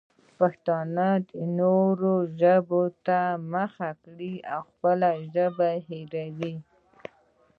پښتانه نورو ژبو ته مخه کوي او خپله ژبه هېروي.